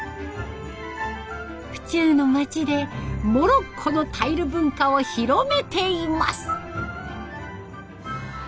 府中の町でモロッコのタイル文化を広めています。